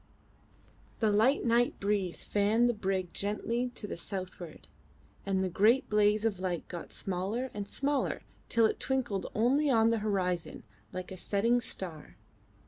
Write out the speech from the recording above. The light night breeze fanned the brig gently to the southward, and the great blaze of light got smaller and smaller till it twinkled only on the horizon like a setting star.